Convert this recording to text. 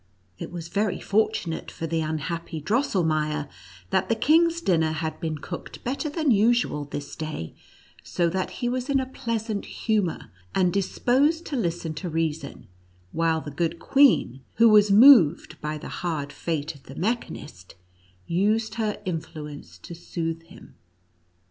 It was very fortunate for the unhappy Drosselmeier, that the kind's dinner had been cooked better than usual this day, so that he was in a pleasant humor, and disposed to listen to reason, while the good queen, who was moved by the hard fate of the mechanist, used her influence to soothe him.